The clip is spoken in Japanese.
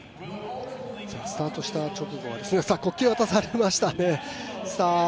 スタートした直後は、国旗を渡されましたね。